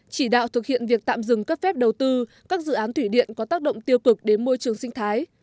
chỉ đạo thực hiện việc tạm dừng cấp phép đầu tư các dự án thủy điện có tác động tiêu cực đến môi trường sinh thái